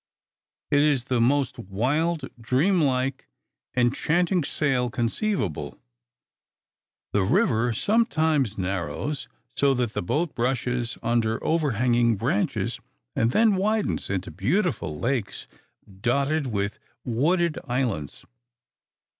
It is the most wild, dream like, enchanting sail conceivable. The river sometimes narrows so that the boat brushes under overhanging branches, and then widens into beautiful lakes dotted with wooded islands.